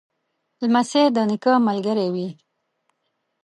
لمسی د نیکه ملګری وي.